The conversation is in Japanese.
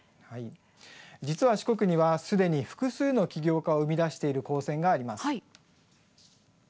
実は四国には、すでに複数の起業家を生み出している高専があります。